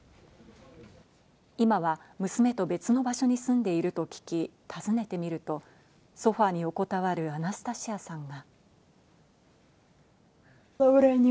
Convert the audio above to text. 今は娘と別の場所に住んでいると聞き訪ねてみると、ソファに横たわるアナスタシアさんが。